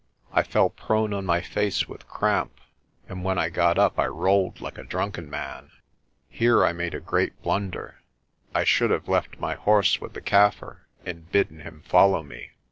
I fell prone on my face with cramp, and when I got up I rolled like a drunken man. Here I made a great blunder. I should have left my horse with my Kaffir and bidden him follow me.